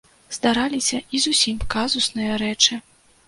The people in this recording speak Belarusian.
Здараліся і зусім казусныя рэчы.